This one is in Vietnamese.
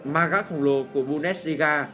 maga khổng lồ của bundesliga